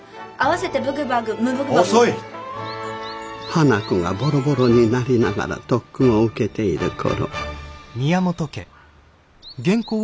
花子がボロボロになりながら特訓を受けている頃。